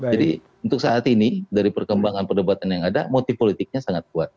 jadi untuk saat ini dari perkembangan perdebatan yang ada motif politiknya sangat kuat